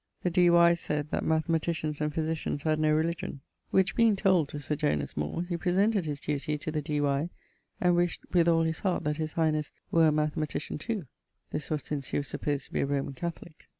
The D. Y. said that 'Mathematicians and physicians had no religion': which being told to Sir Jonas More, he presented his duty to the D. Y. and wished 'with all his heart that his highnesse were a mathematician too': this was since he was supposed to be a Roman Catholic.